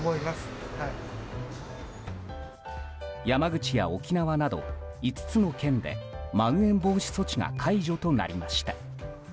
山口や沖縄など５つの県でまん延防止措置が解除となりました。